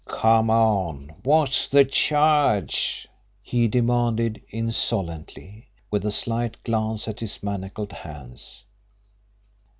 "Come on, what's the charge?" he demanded insolently, with a slight glance at his manacled hands.